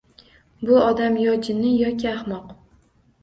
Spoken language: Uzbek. Bu odam yo jinni va yoki ahmoq